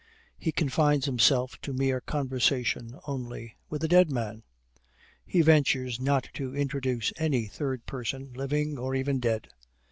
He confines himself to mere conversation only, with a dead man! He ventures not to introduce any third person, living or even dead!